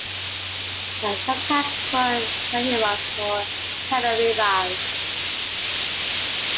They are sometimes called trahiras or tarariras.